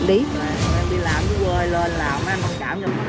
em đi làm với quê lên là em không cảm nhận